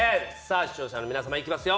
視聴者の皆様、行きますよ。